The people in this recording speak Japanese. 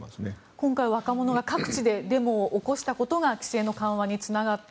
今回、若者が各地でデモを起こしたことが規制の緩和につながった。